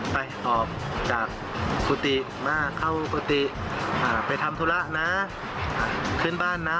ไปออกจากพฤติมาเข้าพฤติอ่าไปทำธุระนะอ่าขึ้นบ้านนะ